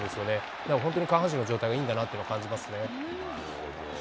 だから本当に下半身の状態がいいんだなというのを感じますね。